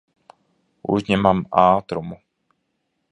Uzņemam ātrumu.